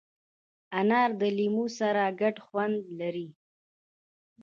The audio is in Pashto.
انار د لیمو سره ګډ خوند لري.